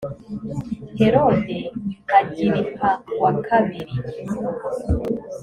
herode agiripa wa kabiri